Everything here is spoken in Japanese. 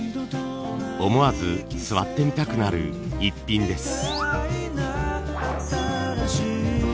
思わず座ってみたくなるイッピンです。